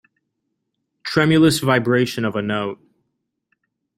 Tremulous vibration of a note.